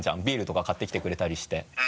ビールとか買ってきてくれたりして。